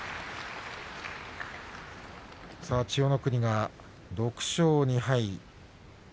千代の国、６勝２敗。